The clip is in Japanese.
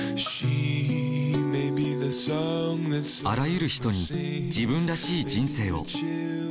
あらゆる人に自分らしい人生を。